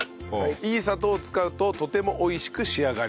いい砂糖を使うととても美味しく仕上がりますと。